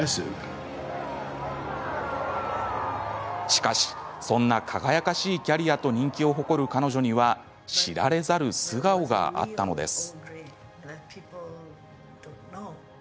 しかし、そんな輝かしいキャリアと人気を誇る彼女には知られざる素顔があったのです。